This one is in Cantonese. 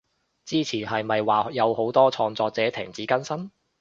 之前係咪話有好多創作者停止更新？